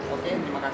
oke terima kasih